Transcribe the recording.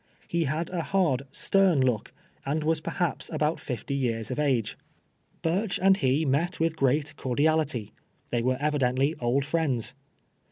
lie had a hard, stern look, and was perhaps ahont fifty years of age. Burcli and he met Avithgrcnit cordiali ty. They Avere evidently C'hl friends.